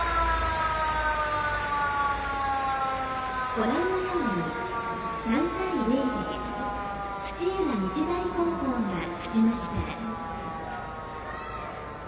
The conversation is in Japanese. ご覧のように３対０で土浦日大高校が勝ちました。